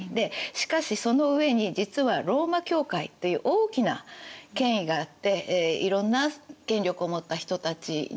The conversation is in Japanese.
しかしその上に実はローマ教会という大きな権威があっていろんな権力を持った人たちの存在を保障してあげてた。